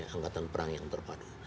angkatan perang yang terpadu